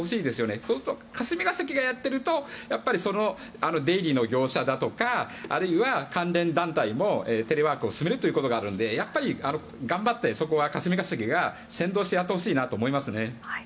そうすると、霞が関がやってると出入りの業者だとかあるいは関連団体もテレワークを進めるということがあるのでやっぱり頑張って霞が関が先導してやってほしいなと思いますね。